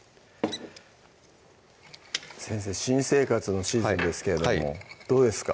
先生新生活のシーズンですけれどもどうですか？